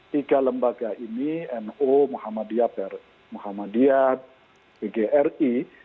tiga lembaga ini nu muhammadiyah pgri